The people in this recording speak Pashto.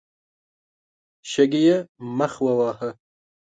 شګې يې مخ وواهه.